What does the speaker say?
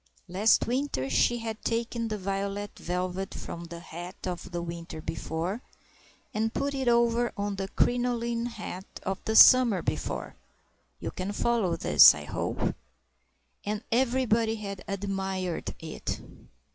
Last winter she had taken the violet velvet from the hat of the winter before, and put it over the crinoline hat of the summer before (you can follow this, I hope?), and everybody had admired it.